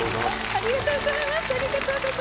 ありがとうございます。